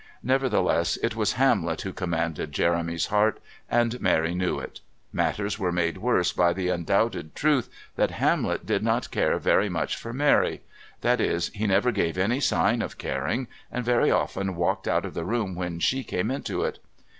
Nevertheless, it was Hamlet who commanded Jeremy's heart, and Mary knew it. Matters were made worse by the undoubted truth that Hamlet did not care very much for Mary that is, he never gave any signs of caring, and very often walked out of the room when she came into it.